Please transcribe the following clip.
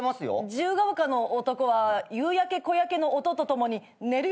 自由が丘の男は『夕焼け小焼け』の音とともに寝るよね。